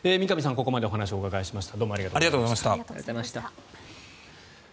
三上さんにここまでお伺いしました。